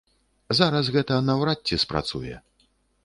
Зараз гэта наўрад ці спрацуе.